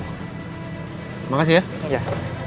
terima kasih ya